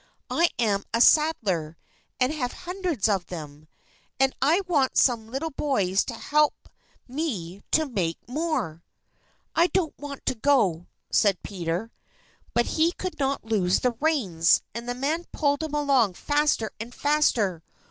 I am a saddler, and have hundreds of them. And I want some little boys to help me to make more." "I don't want to go," said Peter. But he could not loose the reins, and the man pulled him along faster and faster.